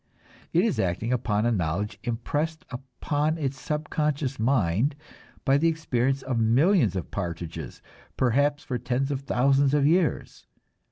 It is acting upon a knowledge impressed upon its subconscious mind by the experience of millions of partridges, perhaps for tens of thousands of years.